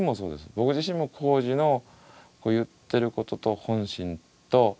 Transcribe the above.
僕自身も宏司の言ってることと本心と。